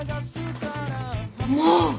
もう！